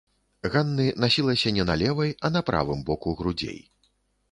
Ганны насілася не на левай, а на правым боку грудзей.